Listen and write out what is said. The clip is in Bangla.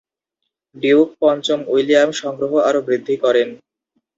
ডিউক পঞ্চম উইলিয়াম সংগ্রহ আরো বৃদ্ধি করেন।